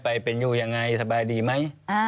ควิทยาลัยเชียร์สวัสดีครับ